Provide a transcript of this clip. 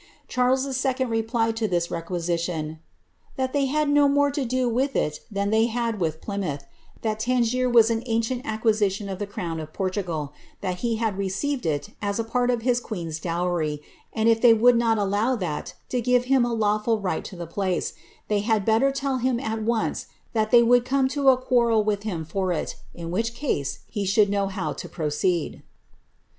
Charles II. replied to this requisition,^ that tiiev had no more to do with it than thev liad with Plymouth ; that Tangier was an ancient acquisition of the crown of Portugal ; that he had received it as a part of his queen^s dowry, and if they would DOt idiow that to give him a lawful right to tlie place, they had better tell him at once that they would come to a quarrel with him for it, in which case he should know how to proceed."